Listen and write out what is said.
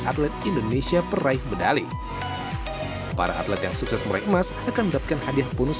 atlet indonesia peraih medali para atlet yang sukses meraih emas akan mendapatkan hadiah bonus